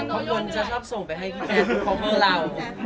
เค้าโดนสองไปให้พี่แจ๊ดของเมืองเรา